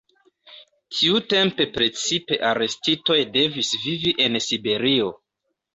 Tiutempe precipe arestitoj devis vivi en Siberio.